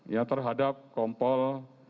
ya terhadap kompol